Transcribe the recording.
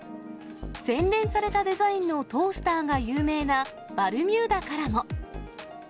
洗練されたデザインのトースターが有名なバルミューダからも。